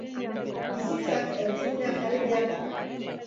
Bizitzak erdigunean jarri behar dira